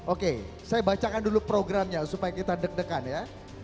oke saya bacakan dulu programnya supaya kita deg degan ya